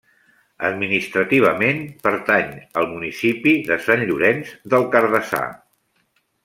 Administrativament, pertany al municipi de Sant Llorenç del Cardassar.